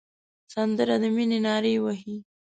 سندره د مینې نارې وهي